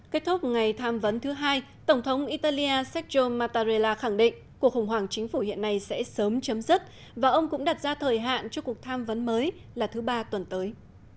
kết thúc ngày tham vấn thứ hai tổng thống italia sergio mattarella khẳng định cuộc khủng hoảng chính phủ hiện nay sẽ sớm chấm dứt và ông cũng đặt ra thời hạn cho cuộc tham vấn mới là thứ ba tuần tới